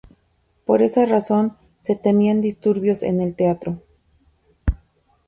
Por esa razón se temían disturbios en el teatro.